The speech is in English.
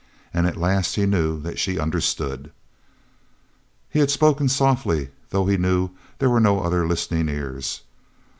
And at last he knew that she understood. He had spoken softly, though he knew there were no other listening ears.